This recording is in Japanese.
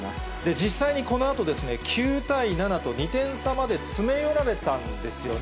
実際にこのあと、９対７と、２点差まで詰め寄られたんですよね。